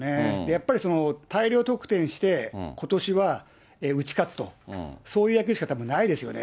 やっぱり、大量得点してことしは打ち勝つと、そういう野球しかたぶんないですよね。